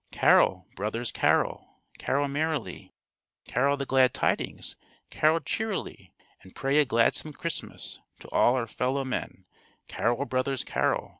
"_Carol, brothers, carol! Carol merrily! Carol the glad tidings, Carol cheerily! And pray a gladsome Christmas To all our fellowmen, Carol, brothers, carol!